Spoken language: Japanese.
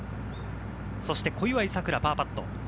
そして小祝さくらのパーパット。